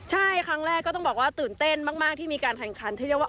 ใช่ครั้งแรกก็ต้องบอกว่าตื่นเต้นมากที่มีการแข่งขันที่เรียกว่า